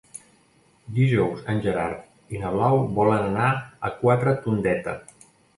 Dijous en Gerard i na Blau volen anar a Quatretondeta.